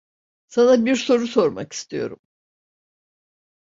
Sana bir soru sormak istiyorum.